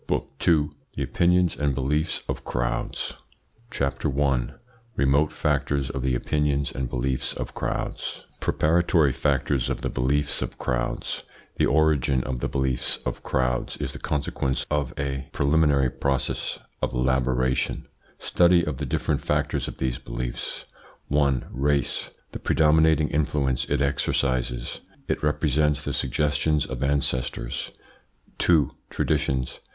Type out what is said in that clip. BOOK II THE OPINIONS AND BELIEFS OF CROWDS CHAPTER I REMOTE FACTORS OF THE OPINIONS AND BELIEFS OF CROWDS Preparatory factors of the beliefs of crowds The origin of the beliefs of crowds is the consequence of a preliminary process of elaboration Study of the different factors of these beliefs. 1. RACE. The predominating influence it exercises It represents the suggestions of ancestors. 2. TRADITIONS.